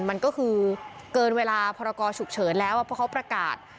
มันก็คือเกินเวลาพรกรฉุกเฉินแล้วเพราะเขาประกาศ